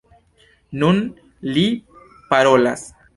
Nun li parolas.